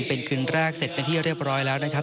เป็นคืนแรกเสร็จเป็นที่เรียบร้อยแล้วนะครับ